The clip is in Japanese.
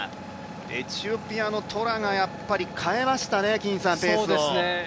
エチオピアのトラがやっぱりペースを変えましたね。